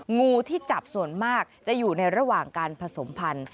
งูที่จับส่วนมากจะอยู่ในระหว่างการผสมพันธุ์